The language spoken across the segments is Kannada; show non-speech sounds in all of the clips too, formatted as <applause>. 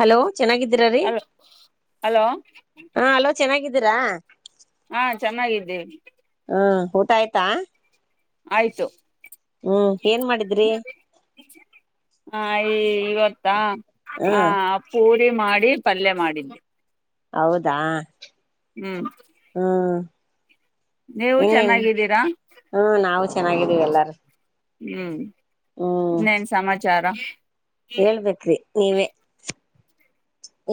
ಹಲೋ ಚೆನ್ನಾಗಿದ್ದೀರ ರೀ ಅಲೋ ಅಲೋ ಹಾ ಹಲೋ ಚೆನ್ನಾಗಿದ್ದೀರಾ. ಹಾ ಚೆನ್ನಾಗಿದ್ದೇವೆ. ಹ್ಮ ಊಟ ಆಯ್ತಾ. ಆಯ್ತು ಹ್ಮ್ ಏನ್ ಮಾಡಿದ್ರಿ ಹಾ ಈವತ್ತಾ ಹ ಹ್ಮ್ ಪೂರಿ ಮಾಡಿ ಪಲ್ಯ ಮಾಡಿದ್ದ ಹೌದಾ. ಹ್ಮ ಹ್ಮ ನೀವು ಚೆನ್ನಾಗಿದ್ದೀರಾ. ಹ್ಮ ನಾವು ಚೆನ್ನಾಗಿದೀವಿ ಎಲ್ಲಾರು. ಹ್ಮ ಹ್ಮ್ ಇನೇನ್ ಸಮಾಚಾರ ಹೇಳ್ಬೇಕ್ರಿ ನೀವೇ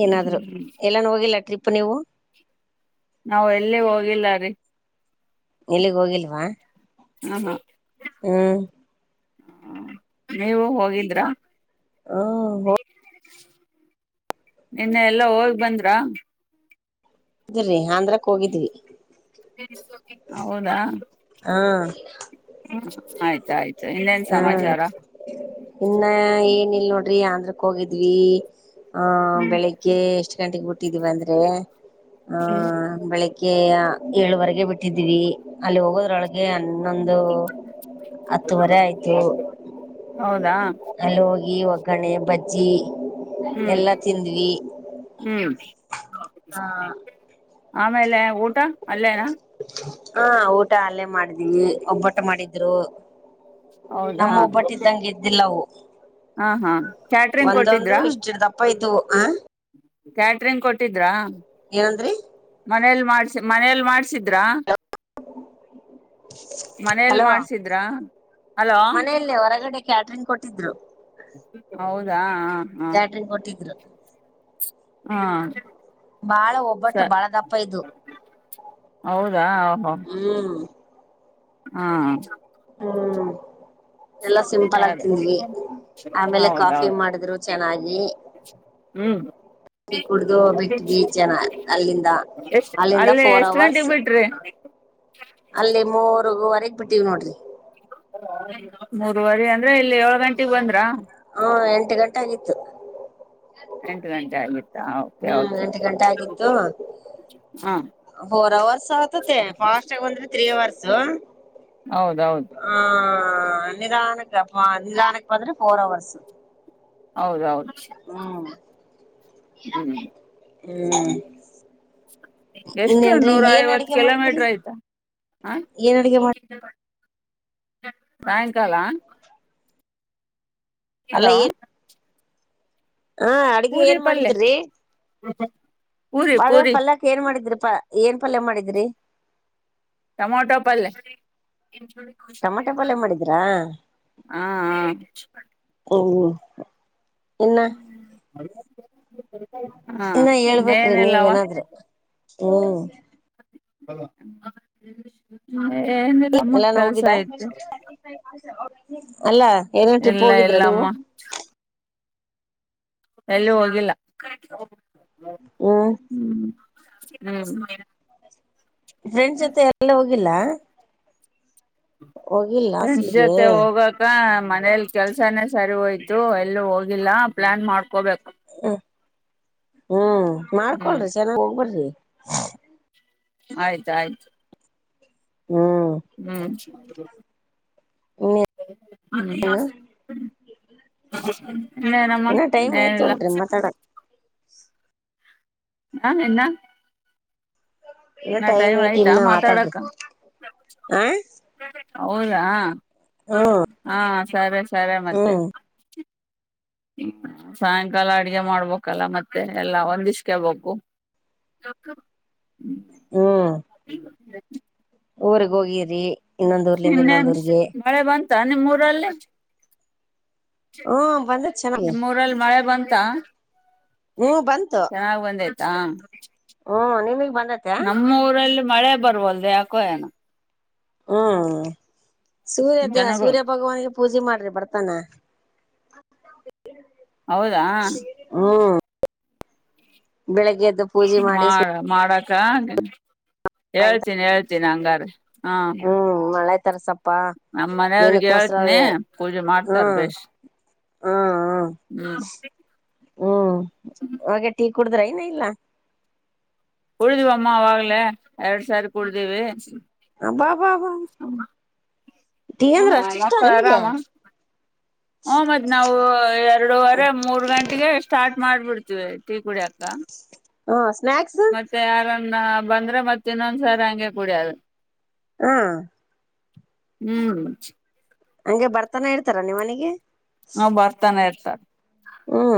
ಏನಾದ್ರು ಹ್ಮ್ ಎಲ್ಲಾನ ಹೋಗಿಲ್ಲ ಟ್ರಿಪ್ ನೀವು. ನಾವ ಎಲ್ಲಿ ಹೋಗಿಲ್ಲರೀ. ಎಲ್ಲಿಗ ಹೋಗಿಲ್ವಾ. <unintelligible> ಹ್ಮ್ ನೀವು ಹೋಗಿದ್ರಾ ಹ ಇನ್ನ ಎಲ್ಲಾ ಹೋಗಿ ಬಂದ್ರ. ಅ್ರೀ ಅಂದ್ರಕ್ ಹೋಗಿದ್ವಿ <unintelligible> ಹೌದಾ ಹಾ ಆಯ್ತಾಯ್ತು ಇನ್ನೇನ್ ಹಾ ಸಮಾಚಾರ ಇನ್ನ ಏನ ಇಲ್ ನೋಡ್ರಿ ಆಂದ್ರಕ್ ಹೋಗಿದ್ವಿ ಹ್ಮ ಹ್ಮ್ ಬೆಳಿಗ್ಗೆ ಎಷ್ಟ ಗಂಟಗ್ ಬಿಟ್ಟಿದ್ದೀ ಬಂದ್ರೆ ಹ್ಮ್ ಹ್ಮ ಬೆಳಿಗ್ಗೆ ಏಳುವರೆಗೆ ಬಿಟ್ಟಿದೀವಿ ಅಲ್ಲಿ ಹೋಗೋದ್ರೊಳಗೆ ಹಾಗೆ ಹನ್ನೊಂದು ಹತ್ತುವರೆ ಆಯ್ತು. ಹೌದಾ ಅಲ್ಲಿ ಹೋಗಿ ಒಗ್ಗರಣೆ ಬಜ್ಜಿ ಹ್ಮ್ ಎಲ್ಲ ತಿಂದ್ವಿ. ಹ್ಮ್ ಹ ಆಮೇಲೆ ಊಟ ಅಲ್ಲೇನಾ ಹಾ ಊಟ ಅಲ್ಲೇ ಮಾಡಿದೀನಿ ಒಬ್ಬಟ ಮಾಡಿದ್ರು ನಮ್ಮ ಹೌದಾ ಒಬ್ಬಟ್ಟಿದ್ದಂಗೆ ಇದ್ದಿಲ್ಲವು. ಹಾ ಹಾ ಕ್ಯಾಟ್ರಂಗ್ ಒಂದೊಂದು ಕೊಟ್ಟಿದ್ರಾ ಇಷ್ಟಿಡ್ ದಪ್ಪ ಇದ್ವು ಹ ಕ್ಯಾಟ್ರಿಂಗ್ ಕೊಟ್ಟಿದ್ರಾ ಏನಂದ್ರರಿ ಮನೇಲಿ ಮಾಡ್ಸ ಮನೇಲ್ ಮಾಡ್ಸಿದ್ರಾ ಮನೇೆಯಲ್ಲಿ ಹಲೋ ಮಾಡ್ಸಿದ್ರ ಹಲೋ ಮನೆಯಲ್ಲೇ ಹೊರಗಡೆ ಕ್ಯಾಟ್ರಿಂಗ್ ಕೊಟ್ಟಿದ್ರು. ಹೌದಾ ಹಾ ಹಾ ಕ್ಯಾಟ್ರಿಂಗ್ ಕೊಟ್ಟಿದ್ರು ಹಾ ಬಾಳ ಒಬ್ಬಟ್ಟು ಸ ಬಾಳ ದಪ್ಪ ಇದದು ಹೌದಾ ಹ್ಮ್ ಹಾ ಹ್ಮ್ ಎಲ್ಲ ಸರಿ ಸಿಂಪಲ್ ಆಗ ತಿಂದ್ವಿ ಆಮೇಲೆ ಕಾಫಿ ಹೌದೌದು ಮಾಡಿದ್ರು ಚೆನ್ನಾಗಿ ಹ್ಮ್ ಕಾಫಿ ಕುಡ್ದು ಬಿಟ್ವಿ <unintelligible> ಚೆನ್ನ ಅಲ್ಲಿಂದ ಎಷ್ಟ ಅಲ್ಲಿಂದ ಅಲ್ಲೇ ಫೋರ್ ಎಷ್ಟ್ ಅವರ್ಸ್ ಗಂಟೆಗೆ ಬಿಟ್ರಿ ಅಲ್ಲಿ ಮೂರುುವರೆಗ್ ಬಿಟ್ಟಿವವಿ ನೋಡ್ರಿ ಮೂರ್ವರಿ ಅಂದ್ರೆ ಇಲ್ಲಿ ಏಳ್ ಗಂಟಗ್ ಬಂದ್ರಾ ಹುಂ ಎಂಟು ಗಂಟೆ ಆಗಿತ್ತು ಎಂಟು ಗಂಟೆ ಆಗಿತ್ತಾ ಓಕೆ ಹ್ಮ್ ಓಕೆ ಎಂಟು ಗಂಟೆ ಆಗಿತ್ತು ಹಾ ಫೋರ್ ಅವರ್ಸ್ ಆಗ್ತತೆ ಫಾಸ್ಟ್ ಆಗ ಬಂದ್ರೆ ತ್ರ್ರೀ ಅವರ್ಸ್ ಹೌದೌದು ಹ ನಿಧಾನಕ್ಕೆಪ್ಪ ನಿಧಾನಕ್ಕೆ ಬಂದ್ರೆ ಫೋರ್ ಅವರ್ಸ್ ಹೌದೌದು ಹ್ಮ್ ಹ್ಮ್ ಹ್ಮ್ ಎಷ್ಟು ಇನ್ನೇನ್ರಿ ನೂರ ಏನ್ ಐವತ್ತು ಅಡಗೆ ಮಾಡಿದ್ರಿ ಕಿಲೋಮೀಟ್ರ ಆಯ್ತೆ. ಏನ್ ಅಡುಗೆ ಮಾಡ. ಸಾಯಂಕಾಲ. ಹಲೋ ಹಾ ಅಡ್ಗೆ ಪೂರಿ ಏನ್ ಪಲ್ಯ ಮಾಡಿದ್ರಿ ಪೂರಿ ಅದೇ ಪೂರಿ ಪಲ್ಯ. ಏನ್ ಮಾಡಿದ್ರಿಪಾ ಏನ್ ಪಲ್ಯ ಮಾಡಿದ್ರಿ. ಟೊಮೊಟೊ ಪಲ್ಯ. ಟಮಾಟೆ ಪಲ್ಯ ಮಾಡಿದ್ರಾ ಹಾ ಹಾ. ಹ್ಮ್ ಇನ್ನ <unintelligible> ಹಾ ಇನ್ನ ಹೇಳ್ಬೇಕ್ರಿ ನೀವ್ ಇನ್ನೇನಿಲ್ಲವಾ ಇನ್ನ ಹ್ಮ್ ಏನಿಲ್ಲ ನಮಗೆ ಕೆಲ್ಸ ಐತೆ. ಅಲ್ಲಾ ಎಲ್ಲೋ ಟ್ರಿಪ್ ಇಲ್ಲ ಹೋಗಿದ್ರ ನೀವು. ಇಲ್ಲಮ್ಮ ಎಲ್ಲೂ ಹೋಗಿಲ್ಲ ಹ್ಮ್ <unintelligible> ಫ್ರೆಂಡ್ಸ್ ಜೊತೆ ಎಲ್ಲು ಹೋಗಿಲ್ಲಾ ಫ್ರೆಂಡ್ಸ್ ಹಾಸ್ಟೆಲ್ಗೆ ಜೊತೆ ಹೋಗ. ಮನೇಲಿ ಕೆಲ್ಸಾನೇ ಸರಿ ಹೋಯ್ತು ಎಲ್ಲ ಹೋಗಿಲ್ಲ ಪ್ಲಾನ್ ಮಾಡ್ಕೋಬೇಕು ಹ ಹ್ಮ್ ಹ್ಮ್ ಮಾಡ್ಕೊಳ್ರಿ ಚೆನ್ನಾಗಿ ಹೋಗಿ ಬನ್ರೀ. ಆಯ್ತ ಆಯ್ತು ಹ್ಮ್ ಇನ್ನ ಹ್ಮ್. ಏನೇನಮ್ಮ ಇನ್ನ ಟೈಮ್ ಏನಿಲ್ಲ. ಐತಲ್ರಿ ಮಾತಾಡಕ್ ಹಾ ಇನ್ನ. ಇನ್ನು ಇನ್ನ ಟೈಮ್ ಐತಿ ಆಯ್ತಾ ಇನ್ನ ಮಾತಾಡ್ರಿ ಮಾತಾಡಕ ಹಾ. ಹೌದಾ ಹ್ಮ್ ಹಾ ಸರಿ ಸರಿ ಮತ್ತೆ. ಹ್ಮ್ ಹ್ಮ ಸಾಯಂಕಾಲ ಅಡ್ಗೆ ಮಾಡ್ಬೇಕಲ್ಲ ಮತ್ತೆ ಎಲ್ಲಾ ಒಂದಿಸ್ಕಬೇಕು. <unintelligible> ಹ್ಮ್ ಊರ್ಗ್ ಹೋಗಿದ್ರಿ ಇನ್ನೊಂದ ಊರ್ಲಿಂದ ಇನ್ನೊಂದ ಇನ್ನೇನ್ ಊರ್ಗೆ. ಮಳೆ ಬಂತ ನಿಮ್ಮ ಊರಲ್ಲಿ. ಹ್ಮ್ ಬಂದತ್ ಚೆನ್ನಾಗಿ ನಿಮ್ಮೂರಲ್ಲಿ ಮಳೆ ಬಂತ. ಹು ಬಂತು. ಹಾ ಹ್ಮ ನಿಮಿಗೆ ಬಂದತ್ತ. ನಮ್ಮ ಊರಲ್ಲಿ ಮಳೆ ಬರುವವಲ್ದು ಯಾಕೋ ಏನೋ. ಹ್ಮ್ ಸೂರ್ಯ ದೇವ ಜನಗಳು ಸೂರ್ಯ ಭಗವನ್ಗೆ ಪೂಜೆ ಮಾಡ್ರಿ ಬರ್ತಾನ ಹೌದಾ ಹ್ಮ್ ಬೆಳಗ್ಗೆದ್ದು. ಮಾಡ ಮಾಡಾಕ್ಕ ಹೇಳ್ತೀನಿ ಹೇಳ್ತೀನಿ ಹಂಗಾರ ಹಾ. ಹ್ಮ್ ಮಳೆ ತರಸಪ್ಪ ನಮ್ಮ ಮನೆಯವ್ರಿಗೆ ಹೇಳ್ತನಿ ಪೂಜೆ ಮಾಡ್ತಾರ ಹ್ಮ್ ಬೇಶ್. ಹ್ಮ್ ಹ್ಮ್ ಹ್ಮ ಹ್ಮ್ ಹಾಗೆ ಟೀ ಕುಡುದ್ರ ಇನ್ನ ಇಲ್ಲ. ಕುಡ್ದೀವಮ್ಮ ಅವಾಗ್ಲೇ ಎರಡ್ ಸಾರಿ ಕುಡ್ದೀವಿ ಅಬ್ಬಬ್ಬಾ ಹಮಾ ಹ ಮತ್ತ ಅಷ್ಟ ಇಷ್ಟ ಮಕ್ಕಳ ನಿಮ್ಗೆ ಆರಾಮ ಹುಂ ಮತ್ ನಾವು ಎರಡೂವರೆ ಮೂರ್ ಗಂಟೆಗೆ ಸ್ಟಾರ್ಟ್ ಮಾಡ್ಬಿಡ್ತೀವಿ ಟೀ ಕುಡಿಯಾಕ ಹ್ ಸ್ನಾಕ್ಸ್ ಮತ್ತೆ ಯಾರನ್ನ ಬಂದ್ರೆ ಮತ್ತ ಇನ್ನೊಂದ್ಸಾರಿ ಹಂಗೆ ಕುಡಿಯೋದು. ಹುಂ ಹುಂ ಹಂಗೆ ಬರ್ತಾನೆ ಇರ್ತಾರ ನಿಮ್ಮ ಮನೆಗೆ ಹ ಬರ್ತಾನೆ ಇರ್ತಾರೆ ಹುಂ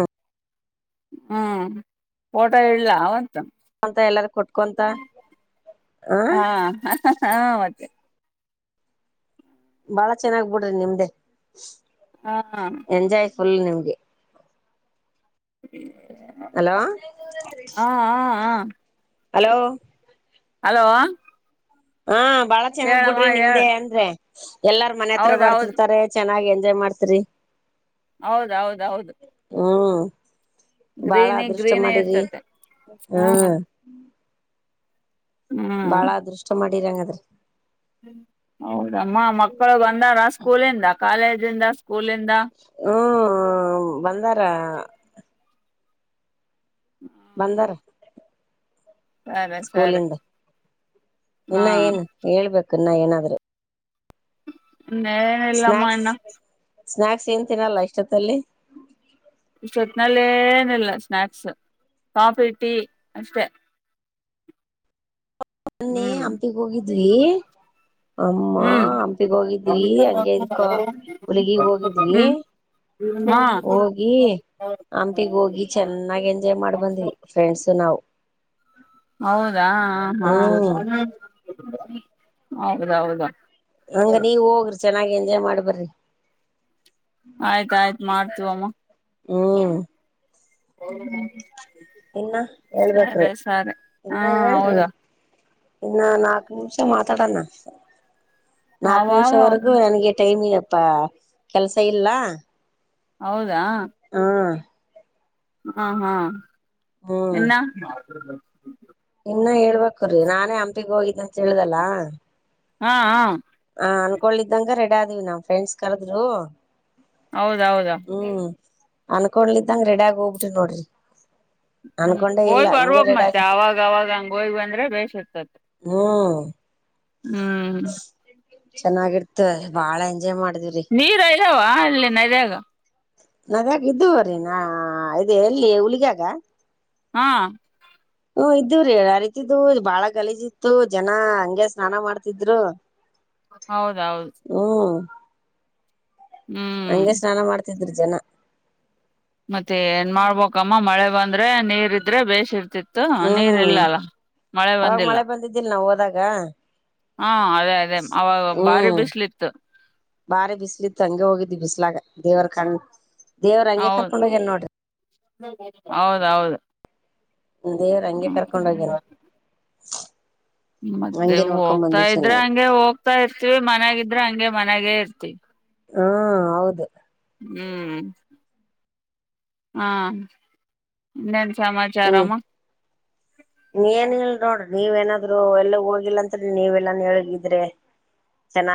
ಹುಂ ಫೋಟೋ ಇಲ್ಲಾ ಅವತ್ ಮತ್ ಎಲ್ಲಾರು ಕೊಟ್ಕೊಂತ ಹ ಹಾ ಹ ಹ ಹ್ ಮತ್ತೆ ಬಾಳ ಚೆನ್ನಾಗ್ ಬಿಡ್ರಿ ನಿಮ್ದೇ ಹ್ ಹಾ ಎಂಜಾಯ್ ಫುಲ್ ನಿಮ್ಮಗೆ ಹಲೋ ಹಾ ಹಾ ಹ್ ಹಲೋ ಹಲೋ ಹಾ ಬಾಳ ಚೆನ್ನಾಗ್ ಹೇಳಮ್ಮ ಬಿಡ್ರಿ ಹೇಳ ನಿಮ್ದೇ ಅಂದ್ರೆ ಎಲ್ಲಾರ ಮನೆ ಹತ್ರ ಹೌದೌದು ಬರ್ತಿರ್ತಾರೆ ಚೆನ್ನಾಗಿ ಎಂಜಾಯ್ ಮಾಡ್ತೀರಿ ಹೌದೌದೌದು ಹುಂ ಬಾಳ ಗ್ರೀನಿ ಅದೃಷ್ಟ ಗ್ರೀನೇ ಮಾಡಿರಿ ಇರ್ತತೆ ಹ್ಮ್ ಹುಂ ಬಾಳ ಹ್ಮ್ ಅದೃಷ್ಟ ಮಾಡಿರಂಗದ್ರ ಹೌದಮ್ಮ ಮಕ್ಕಳು ಬಂದಾರ ಸ್ಕೂಲಿಂದ, ಕಾಲೇಜಿಂದ, ಸ್ಕೂಲಿಂದ ಹಂ ಬಂದಾರ ಹ್ಮ ಬಂದಾರ್ ಸರಿ ಸರಿ ಸ್ಕೂಲಿಂದ ಹಾ ಇನ್ನ ಏನು ಹೇಳ್ಬೇಕು ಇನ್ನ ಏನಾದ್ರೂ ಎನ್ ಇಲ್ಲಮ್ಮ ಇನ್ನು ಸ್ನಾಯಕ್ಸ್ ಏನ್ ತಿನ್ನಲ್ಲಾ ಇಷ್ಟಹೋತ್ತಲ್ಲಿ ಇಷ್ಟೊತ್ ನಲ್ಲೇ ಏನಿಲ್ಲಾ ಸ್ನಾಯಕ್ಸ್ ಕಾಫಿ ಟೀ ಅಷ್ಟೇ ಮೊನ್ನೆ ಹ್ಮ್ ಹಂಪಿಗಿ ಹೋಗಿದ್ವಿ ಅಮ್ಮಾ ಹ್ಮ್ ಹಂಪಿಗ್ ಹೋಗಿದ್ವಿ ಹಂಗೆ ಇದಕ್ಕ ಹುಲಗಿಗ್ ಹೋಗಿದ್ವಿ. ಹ್ಮ್ ಹಾ ಹೋಗಿ ಹಂಪಿಗೆ ಹೋಗಿ ಚೆನ್ನಾಗಿ ಎಂಜಾಯ್ ಮಾಡ್ ಬಂದ್ವಿ ಫ್ರೆಂಡ್ಸ ನಾವು ಹೌದಾ ಹಾ ಹಾ ಹ್ಮ್ ಹೌದೌದು ಹಂಗ ನೀವ್ ಹೋಗ್ರಿ ಚೆನ್ನಾಗಿ ಎಂಜಾಯ್ ಮಾಡಿ ಬರ್ರಿ ಆಯ್ತಾ ಆಯ್ತ್ ಮಾಡ್ತೀವಿ ಮ್ಮ ಹುಂ <unintelligible> ಇನ್ನ ಹೇಳ್ಬೇಕ್ರೀ ಸರಿ ಸರಿ ಹಾ ಇನ್ನ ಹೇಳ್ರಿ ಹೌದಾ ಇನ್ನ ನಾಲ್ಕ ನಿಮಿಷ ಮಾತಾಡಣ. ನಾಕ್ ಅವ ನಿಮಿಷವರೆಗೂ ನನ್ಗೆ ಟೈಮ ಎಪ್ಪಾ ಕೆಲ್ಸ ಇಲ್ಲ. ಹೌದಾ. ಹಾ ಹಾ ಹಾ ಹ್ಮ್ ಇನ್ನ ಇನ್ನ ಹೇಳ್ಬೇಕರಿ ನಾನೇ ಹಂಪಿಗ ಹೋಗಿದ್ದ ಅಂತ ಹೇಳ್ದಲ್ಲ. ಹಾಂ ಹಾ ಹ ಅನ್ಕೊದ್ದಂಗ ರೆಡಿ ಆದ್ವಿ ನಮ್ ಫ್ರೆಂಡ್ಸ್ ಕರ್ದ್ರು. ಹೌದ ಹೌದ. ಹ್ಮ ಅನ್ಕೊಂಡಲಿದ್ದಂಗ ರೆಡ ಆಗ ಹೋಗ್ಬಿಟ್ಟನ ನೋಡ್ರಿ. ಹ್ಮ ಅನ್ಕೊಂಡೆ ಇಲ್ಲ ಹೋಗಿ ಹಂಗೆ ಬರ್ಬೇಕ ರೆಡಿ ಮತ್ತೆ ಆಗ್ಬಿಟ್ರಿ ಅವಾಗ ಅವಾಗ ಹಂಗ ಹೋಗ ಬಂದ್ರೆ ಬೇಷ್ ಇರ್ತತಿ. ಹ್ಮ ಹ್ಮ <inaudible> ಚೆನ್ನಾಗಿರ್ತ ಬಾಳ ಎಂಜಾಯ್ ಮಾಡಿದ. ನೀರ ಇದಾವ ಅಲ್ಲಿ ನದ್ಯಾಗ ನದಾಗ ಇದ್ದುವ್ರೀ ನಾ ಅದ ಎಲ್ಲಿ ಹುಲ್ಗ್ಯಾಗ ಹಾ ಹ್ಮ ಇದ್ದರೀ ಯ ರೀತಿದ್ದು ಬಾಳ ಗಲೀಜ ಇತ್ತು ಜನ ಹಂಗೆ ಸ್ನಾನ ಮಾಡ್ತಿದ್ರು. <inaudible> ಹೌದೌದ. ಹ್ಮ ಹ್ಮ್ ಹಂಗೆ ಸ್ನಾನ ಮಾಡ್ತಿದ್ರ ಜನ. ಮತ್ತೆ ಏನ್ ಮಾಡ್ಬೇಕಮ್ಮ ಮಳೆ ಬಂದ್ರೆ ನೀರ್ ಇದ್ರೆ ಬೇಶ್ ಇರ್ತಿತ. ತ ನೀರ್ ಹ್ಮ್ ಇಲ್ಲ ಅಲ್ಲ ಮಳೆ ಅವಾಗ ಬಂದಿಲ್ಲ ಮಳೆ ಬಂದಿದ್ದಿಲ್ ನಾವ್ ಹಾ ಅದೇ ಆತ ಹ್ಮ ಬಾರಿ ಬಿಸಿಲತ್ತ ಹಂಗೆ ಹೋಗಿದ್ದ ಬಿಸಲಾಗ ದೇವರ ಕಂಡ್ ದೇವ್ರ ಹಂಗೆ ಕರ್ಕೊಂಡ ಹೋಗ್ಯಾನ ನೋಡ್ರಿ. ಹೌದೌದ. ದೇವ್ರ ಹಂಗೆ ಕರ್ಕೊಂಡ ಹೋಗೇನ. ಮದೆ ನೋಡ್ಕೊಂಡ್ ಹೋಗ್ತಾ ಬಂದ್ವಿ ಇದ್ರ ಚೆನ್ನಾಗಿ ಹಂಗೆ ಹೋಗ್ತಾ ಇರ್ತಿವಿ ಮನ್ಯಾಗಿದ್ರ ಹಂಗೆ ಮನ್ಯಾಗ ಇರ್ತಿವಿ. ಹಾ ಹೌದ. ಹ್ಮ ಹಾ ಇನ್ನೇನ ಸಮಮಾಚಾರಾಮ <inaudible> ಏನಿಲ್ಲ ನೋಡ್ರ ನೀವ ಏನಾದ್ರು ಎಲ್ಲ ಹೋಗಿಲ್ಲ ಅತ್ರಿ ನೀವ ಎಲ್ಲಾನ ಹೇಳಿ ಗೀದ್ರೆ ಚೆನ್ನ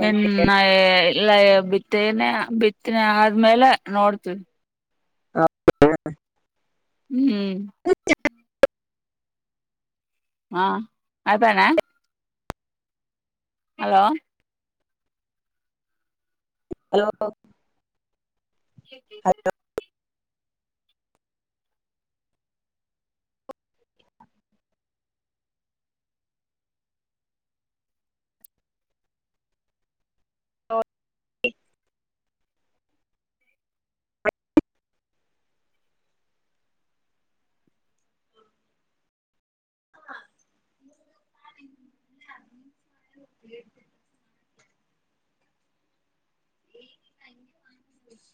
ಹ ನೇ ಇಲ್ಲ ಬಿತ್ತೇನೆ ಬಿತ್ತನೆ ಆದ್ಮೇಲೆ ನೋಡ್ತೀವಿ. <unintelligible> ಹ್ಮ <inaudible> ಹಾ ಅದಾನ ಹಲೋ ಹಲೋ <unintelligible> <unintelligible>